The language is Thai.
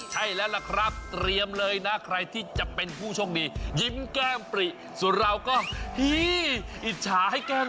ใช่แล้วล่ะครับเตรียมเลยนะใครที่จะเป็นผู้โชคดียิ้มแก้มปริสุราวก็ฮี้อิจฉาให้แก้ม